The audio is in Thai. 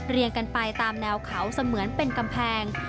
กันไปตามแนวเขาเสมือนเป็นกำแพง